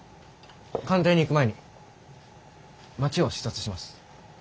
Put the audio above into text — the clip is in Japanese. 官邸に行く前に街を視察します。